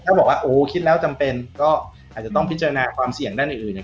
ถ้าบอกว่าโอ้คิดแล้วจำเป็นก็อาจจะต้องพิจารณาความเสี่ยงด้านอื่นเนี่ย